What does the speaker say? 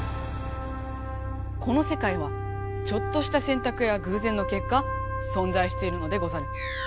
このせかいはちょっとしたせんたくやぐうぜんのけっかそんざいしているのでござる。